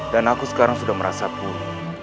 dan aku sekarang sudah merasa buruk